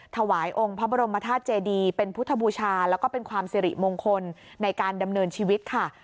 ถวายองค์พระบรมธาตุเจดีเป็นพุทธบูชาแล้วก็เป็นความสิริมงคลในการดำเนินชีวิตค่ะ